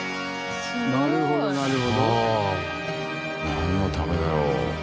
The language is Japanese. なんのためだろう？